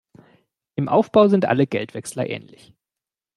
Im Aufbau sind alle Geldwechsler ähnlich.